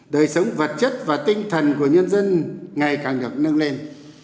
đời sống vật chất và tinh thần của nhân dân ngày càng được nâng lên